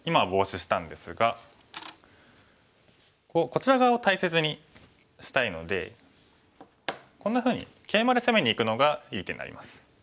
こちら側を大切にしたいのでこんなふうにケイマで攻めにいくのがいい手になります。